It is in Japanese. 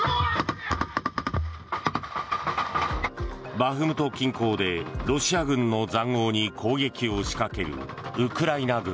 バフムト近郊でロシア軍の塹壕に攻撃を仕掛ける